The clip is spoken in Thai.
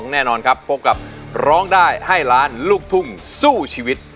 แน่นอนครับพบกับร้องได้ให้ล้านลูกทุ่งสู้ชีวิต